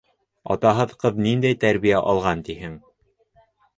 Атаһыҙ ҡыҙ ниндәй тәрбиә алған тиһең?